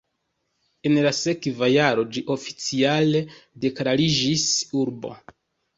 En la sekva jaro ĝi oficiale deklariĝis urbo.